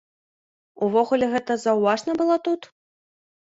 Увогуле гэта заўважна было тут?